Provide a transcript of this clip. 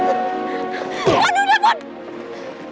luan udah luan